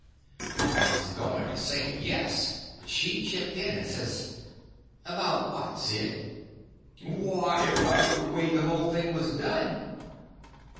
I was going to say yes; but she chipped in and says: "About what, Sid?" "Why, about the way the whole thing was done."